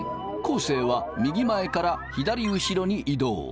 生は右前から左後ろに移動。